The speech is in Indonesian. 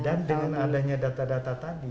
dan dengan adanya data data tadi